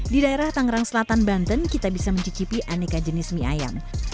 di daerah tangerang selatan banten kita bisa mencicipi aneka jenis mie ayam